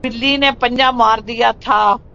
بلی نے پنجہ مار دیا تھا